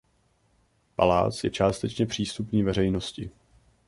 Palác je částečně přístupný veřejnosti.